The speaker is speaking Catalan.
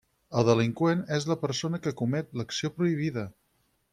El delinqüent és la persona que comet l'acció prohibida.